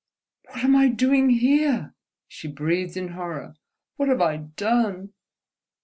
"What am I doing here?" she breathed in horror. "What have I done?"